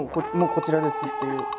「こちらです」っていう。